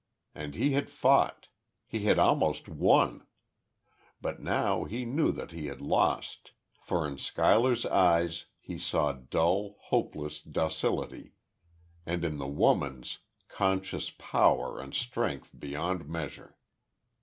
And he had fought. He had almost won. But now, he knew that he had lost; for in Schuyler's eyes he saw dull, hopeless docility, and in The Woman's, conscious power and strength beyond measure.